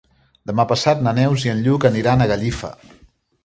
Demà passat na Neus i en Lluc aniran a Gallifa.